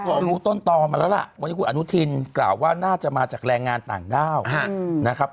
ก็รู้ต้นตอมาแล้วล่ะวันนี้คุณอนุทินกล่าวว่าน่าจะมาจากแรงงานต่างด้าวนะครับ